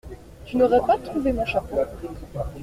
Tu n’aurais pas trouvé mon chapeau ?…